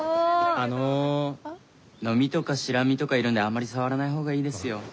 あのノミとかシラミとかいるんであんまり触らない方がいいですよ。